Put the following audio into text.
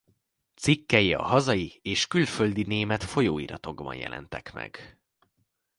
Cikkei a hazai és külföldi német folyóiratokban jelentek meg.